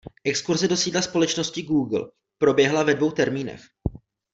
Exkurze do sídla společnosti Google proběhla ve dvou termínech.